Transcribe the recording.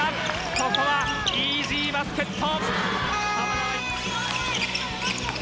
ここはイージーバスケット。